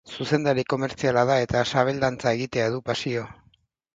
Zuzendari komertziala da eta sabel-dantza egitea du pasio.